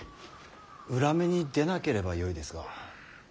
裏目に出なければよいですが。